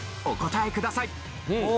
お答えください。